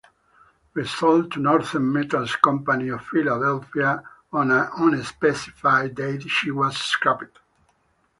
Resold to Northern Metals Company of Philadelphia, on an unspecified date, she was scrapped.